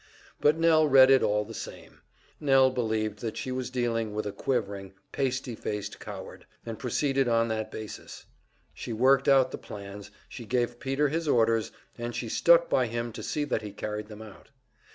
But Nell read it all the same; Nell believed that she was dealing with a quivering, pasty faced coward, and proceeded on that basis; she worked out the plans, she gave Peter his orders, and she stuck by him to see that he carried them out.